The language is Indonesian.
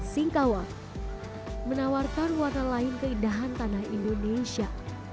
singkawa menawarkan warna lain keindahan tanah indonesia